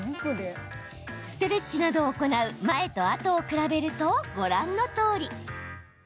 ストレッチなどを行う前とあとを比べると、ご覧のとおり。